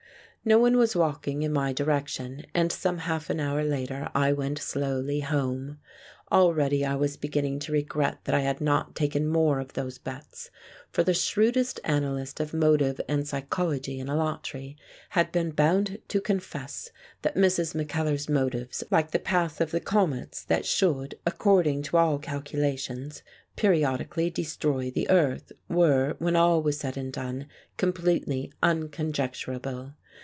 No one was walking in my direction, and some half an hour later I went slowly home. Already I was beginning to regret that I had not taken more of those bets, for the shrewdest analyst of motive and psychology in Alatri had been bound to confess that Mrs. Mackellar's motives, like the path of the comets that should, according to all calculations, periodically destroy the earth, were, when all was said and done, completely unconjecturable.